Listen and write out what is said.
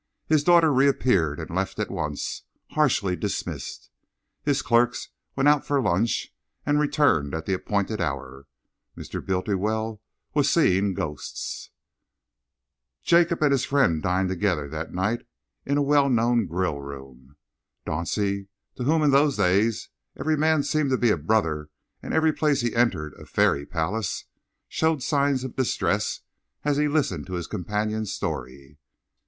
His daughter reappeared and left at once, harshly dismissed. His clerks went out for lunch and returned at the appointed hour. Mr. Bultiwell was seeing ghosts.... Jacob and his friend dined together that night in a well known grill room. Dauncey, to whom, in those days, every man seemed to be a brother and every place he entered a fairy palace, showed signs of distress as he listened to his companion's story.